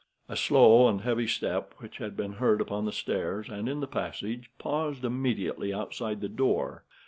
A slow and heavy step, which had been heard upon the stairs and in the passage, paused immediately outside the door.